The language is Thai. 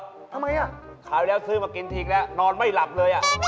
ทำไมคราวนี้ซื้อมากินทีแล้วนอนไม่หลับเลย